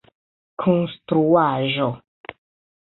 konstruaĵo